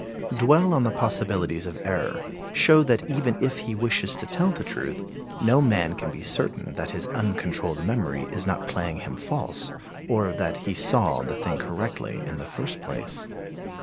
Dwell on the possibilities of error; show that even if he wishes to tell the truth, no man can be certain that his uncontrolled memory is not playing him false or that he saw the thing correctly in the first place.